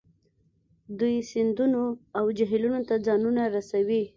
دوی سیندونو او جهیلونو ته ځانونه رسوي